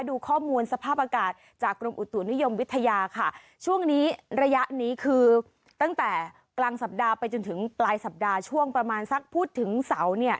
ดูข้อมูลสภาพอากาศจากกรมอุตุนิยมวิทยาค่ะช่วงนี้ระยะนี้คือตั้งแต่กลางสัปดาห์ไปจนถึงปลายสัปดาห์ช่วงประมาณสักพูดถึงเสาเนี่ย